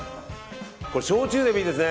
焼酎でもいいですね。